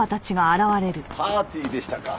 パーティーでしたか。